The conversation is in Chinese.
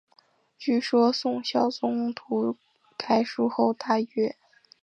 据说宋孝宗读该书后大悦。